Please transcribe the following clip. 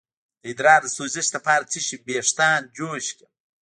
د ادرار د سوزش لپاره د څه شي ویښتان جوش کړم؟